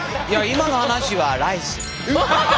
今の話はライス！